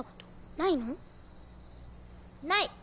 ない！